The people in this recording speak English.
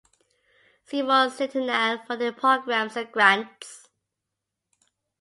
See more centennial funding programs and grants.